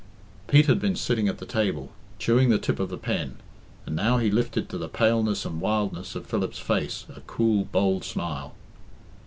Pete had been sitting at the table, chewing the tip of the pen, and now he lifted to the paleness and wildness of Philip's face a cool, bold smile.